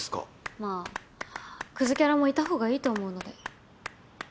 まあクズキャラもいたほうがいいと思うので。